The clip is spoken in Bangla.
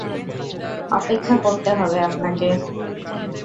অপেক্ষা করতে হবে আপনাকে।